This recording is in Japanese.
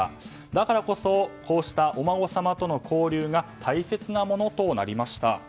だからこそこうしたお孫さまとの交流が大切なものとなりました。